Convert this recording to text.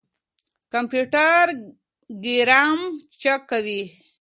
کمپيوټر ګرامر چک کوي.